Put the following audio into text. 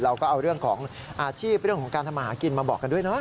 เราก็เอาเรื่องของอาชีพเรื่องของการทำมาหากินมาบอกกันด้วยเนอ